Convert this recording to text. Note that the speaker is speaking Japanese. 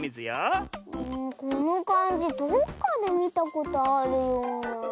このかんじどっかでみたことあるような。